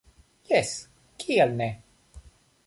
Jes, kial ne?